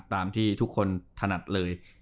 ตามที่ทุกคนถนัดเลย